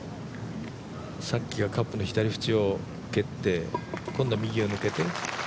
さっきはカップの左縁を蹴って、今度は右を抜けて。